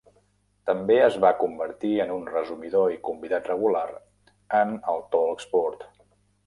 També es va convertir en un resumidor i convidat regular en el Talksport.